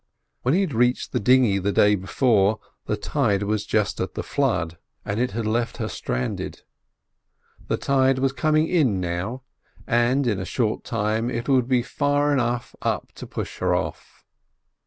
When he had beached the dinghy the day before, the tide was just at the flood, and it had left her stranded. The tide was coming in now, and in a short time it would be far enough up to push her off.